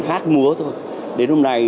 hát múa thôi đến hôm nay